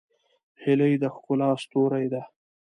هیلۍ د ښکلا ستوری ده